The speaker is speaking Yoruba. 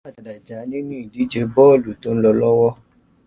Nàíjíríà ti padà já nínú ìdíje bóólù tó ń lọ lọ́wọ́.